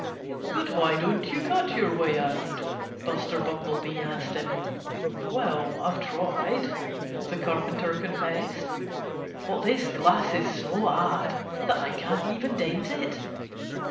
But why don't you cut your way out?" Buster Bumblebee asked him. "Well, I've tried," the Carpenter confessed. "But this glass is so hard that I can't even dent it."